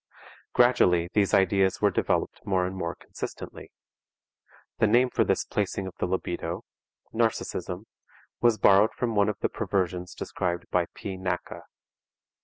Gradually these ideas were developed more and more consistently. The name for this placing of the libido narcism was borrowed from one of the perversions described by P. Naecke.